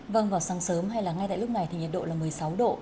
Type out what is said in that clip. vâng vào sáng sớm hay là ngay tại lúc này thì nhiệt độ là một mươi sáu độ